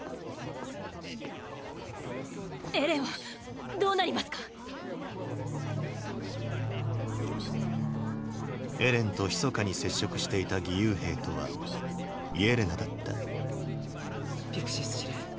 エレンはどうなりますか⁉エレンとひそかに接触していた義勇兵とはイェレナだったピクシス司令